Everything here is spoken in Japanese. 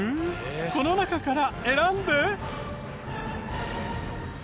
この中から選んで。